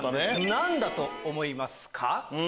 何だと思いますか？